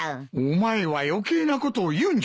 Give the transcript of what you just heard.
お前は余計なことを言うんじゃない。